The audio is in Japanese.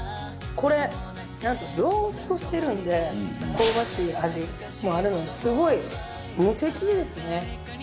これなんとローストしてるんで香ばしい味もあるのですごい無敵ですね。